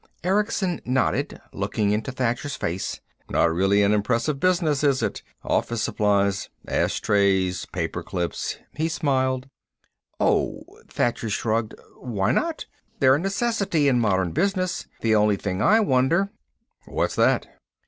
Erickson nodded, looking into Thacher's face. "Not really an impressive business, is it? Office supplies. Ashtrays, paper clips." He smiled. "Oh " Thacher shrugged. "Why not? They're a necessity in modern business. The only thing I wonder " "What's that?"